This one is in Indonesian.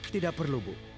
tidak perlu bu